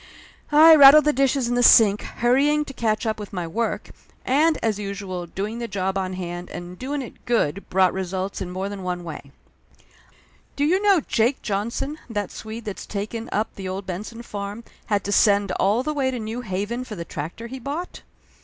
1 rat tled the dishes in the sink, hurrying to catch up with Laughter Limited 41 my work, and, as usual, doing the job on hand and doing it good brought results in more than one way. "I got an idea!" I says. "Do you know Jake John son, that Swede that's taken up the old Benson farm, had to send all the way to New Haven for the tractor he bought?"